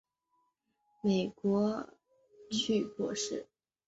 美国北科罗拉多大学小号演奏硕士及理论作曲博士。